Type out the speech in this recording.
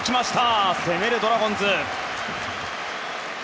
攻めるドラゴンズ。